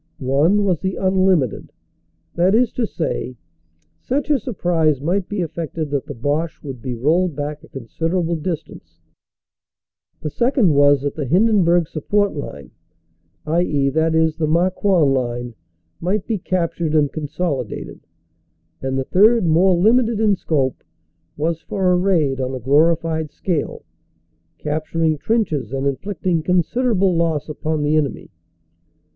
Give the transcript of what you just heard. One was the unlimited ; that is to say, such a surprise might be effected that the Boche would be rolled back a considerable distance. The second was that the Hindenburg Support line (i.e., the Marcoing line) might be captured and consolidated. And the third, more limited in scope, was for a raid on a glori fied scale, capturing trenches and inflicting considerable loss upon the enemy.